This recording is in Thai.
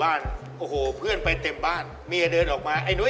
แอ้อันนี้ถูกกว่า